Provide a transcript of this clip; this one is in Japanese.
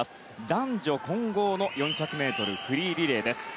男女混合の４００ｍフリーリレーです。